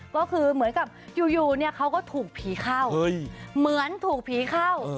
ก็คือเหมือนกับอยู่เนี่ยเขาก็ถูกผีเข้าเหมือนถูกผีเข้า